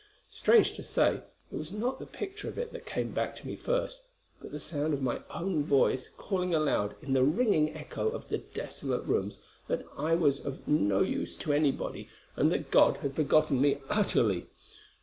Strange to say, it was not the picture of it that came back to me first, but the sound of my own voice calling aloud in the ringing echo of the desolate rooms that I was of no use to anybody, and that God had forgotten me utterly.